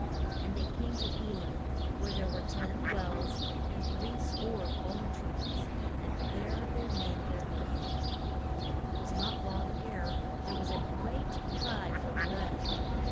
And they came to E lim, where were ten wells and three score palm trees, and there they made their camp. It was not long ere there was a great cry for bread.